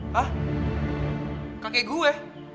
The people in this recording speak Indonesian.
hah kakek gue